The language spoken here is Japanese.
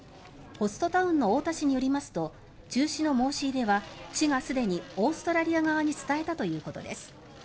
ホストタウンの太田市によりますと、中止の申し入れは市がすでにオーストラリア側に伝えたということです。